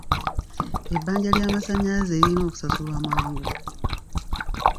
Ebbanja ly'amasannyalaze lirina okusasulwa mangu.